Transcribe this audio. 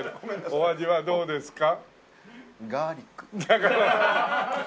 お味はどうですか？